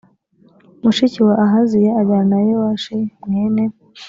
mushiki wa ahaziya ajyana yowasi mwene